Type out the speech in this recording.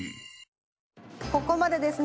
ここまでですね